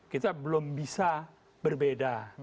kita belum bisa berbeda